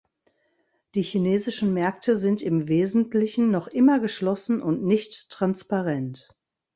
Die chinesischen Märkte sind im Wesentlichen noch immer geschlossen und nicht transparent.